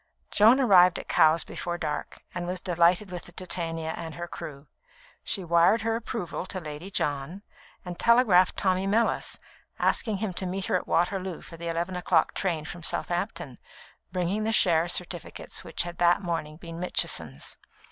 Joan arrived at Cowes before dark, and was delighted with the Titania and her crew. She wired her approval to Lady John, and telegraphed Tommy Mellis, asking him to meet her at Waterloo for the eleven o'clock train from Southampton, bringing the share certificates which had that morning been Mitchison's.